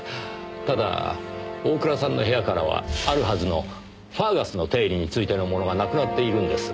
ただ大倉さんの部屋からはあるはずのファーガスの定理についてのものがなくなっているんです。